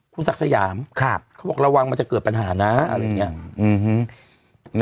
คุณศักดิ์สยามเขาบอกระวังมันจะเกิดปัญหานะอะไรอย่างนี้